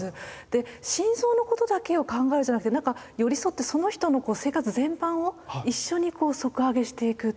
で心臓のことだけを考えるじゃなくて寄り添ってその人の生活全般を一緒にこう底上げしていく。